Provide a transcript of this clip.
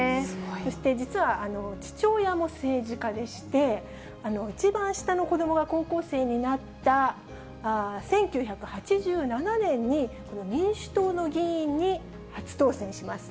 そして実は、父親も政治家でして、一番下の子どもが高校生になった１９８７年に、民主党の議員に初当選します。